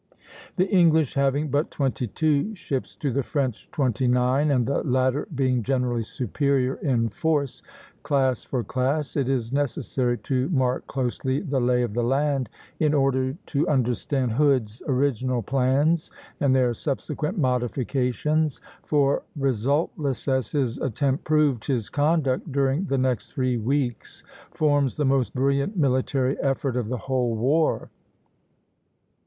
The English having but twenty two ships to the French twenty nine, and the latter being generally superior in force, class for class, it is necessary to mark closely the lay of the land in order to understand Hood's original plans and their subsequent modifications; for, resultless as his attempt proved, his conduct during the next three weeks forms the most brilliant military effort of the whole war.